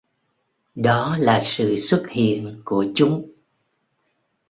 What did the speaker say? Đó là sự xuất hiện của chúng